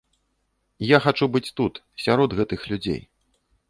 Я хачу быць тут, сярод гэтых людзей.